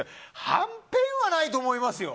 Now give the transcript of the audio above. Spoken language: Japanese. はんぺんはないと思いますよ。